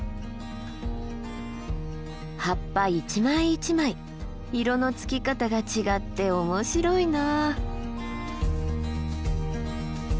葉っぱ一枚一枚色のつき方が違って面白いな。